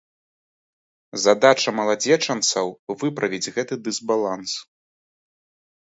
Задача маладзечанцаў выправіць гэты дысбаланс.